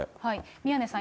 宮根さん